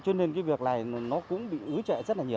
cho nên cái việc này nó cũng bị ứ trệ rất là nhiều